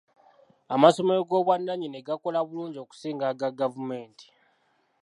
Amasomero g'obwannannyini gakola bulungi okusinga aga gavumenti.